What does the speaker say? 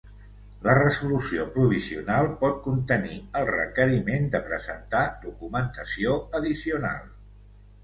La resolució provisional pot contenir el requeriment de presentar documentació addicional.